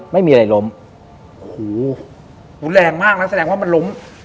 ไม่มีอะไรล้มหูแรงมากนะแสดงว่ามันล้ม